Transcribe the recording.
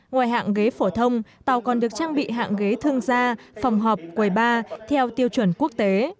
ngoài hạng ghế phổ thông tàu còn được trang bị hạng ghế thương gia phòng họp quầy ba theo tiêu chuẩn quốc tế